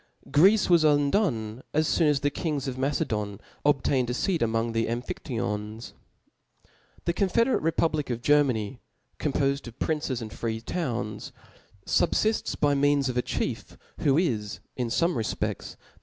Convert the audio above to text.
Greece was undone as loon as the •kings of Mace ddn obtained a feat among the Ara; ■.phiAyons. .. The confederate republic of Germany, compofed of princes and free towns, fubfifts by Gieans of ^ chief, who isj io fome refpedls, the